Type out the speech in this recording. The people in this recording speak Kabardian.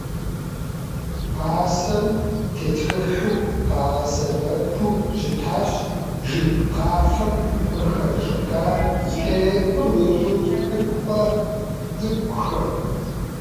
Пасэм тетхыхьу къагъэсэбэпу щытащ жыг пхъафэм къыхэщӏыкӏа теӏущӏыкӏыпӏэ цӏыкӏухэр.